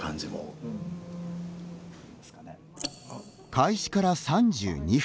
開始から３２分。